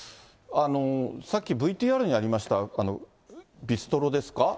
さっきＶＴＲにありました、ビストロですか？